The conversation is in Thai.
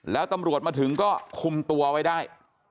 แล้วตำรวจมาถึงก็คุมตัวไว้ได้